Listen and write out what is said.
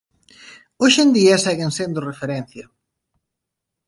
Hoxe en día seguen sendo referencia.